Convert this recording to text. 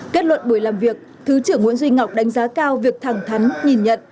kết luận buổi làm việc thứ trưởng nguyễn duy ngọc đánh giá cao việc thẳng thắn nhìn nhận